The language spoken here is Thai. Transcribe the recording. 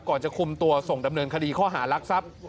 จะคุมตัวส่งดำเนินคดีข้อหารักทรัพย์